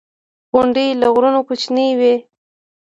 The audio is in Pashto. • غونډۍ له غرونو کوچنۍ وي.